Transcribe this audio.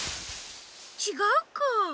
ちがうか。